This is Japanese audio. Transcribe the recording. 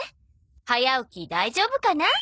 早起き大丈夫かな？